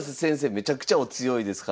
めちゃくちゃお強いですから。